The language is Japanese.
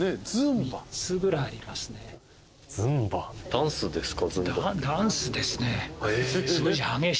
ダンスですね。